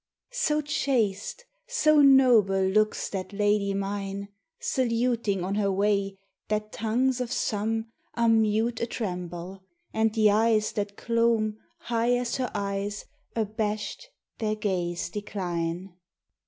_' SO chaste, so noble looks that lady mine Saluting on her way, that tongues of some Are mute a tremble, and the eyes that clomb High as her eyes, abashed, their gaze decline.